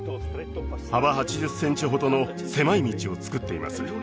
幅８０ｃｍほどの狭い道をつくっています